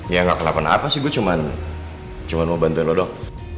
ya gak kenapa kenapa sih gue cuma mau bantuin lu dong